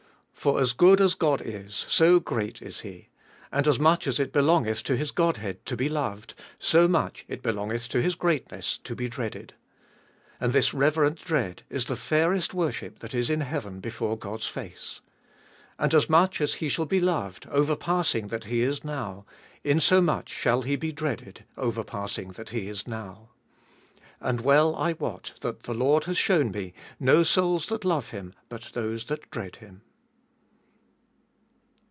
"For as good as God is, BO great is He; and as much as it belongeth to His Godhead to be loved, so much it belongeth to His greatness to be dreaded. And this reverent dread is the fairest worship that is in heaven before God's face. And as much as He shall be loved, overpassing that He is now, insomuch shall He be dreaded overpassing that He is now. And well I wot that the Lord has shown me no souls that love Him but those that dread Him.